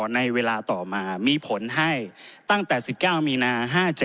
ในเวลาต่อมามีผลให้ตั้งแต่๑๙มีนา๕๗